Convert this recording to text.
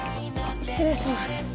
失礼します。